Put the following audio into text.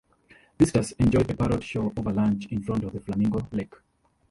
Visitors enjoy a parrot show over lunch in front of the flamingo lake.